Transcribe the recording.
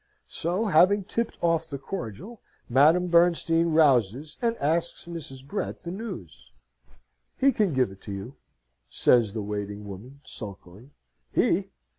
So, having tipped off the cordial, Madame Bernstein rouses and asks Mrs. Brett the news. "He can give it you," says the waiting woman, sulkily. "He?